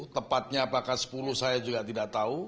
tepatnya apakah sepuluh saya juga tidak tahu